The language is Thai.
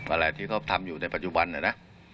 อะไรที่เขาทำอยู่ในปัจจุบันน่ะนะ